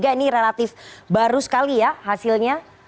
ini relatif baru sekali ya hasilnya